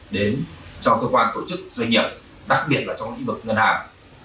đến cho cơ quan tổ chức doanh nghiệp đặc biệt là trong lĩnh vực ngân hàng